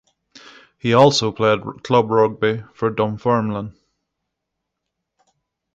He also played club rugby for Dunfermline.